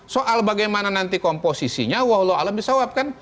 soal bagaimana nanti komposisinya wah allah alami shawab kan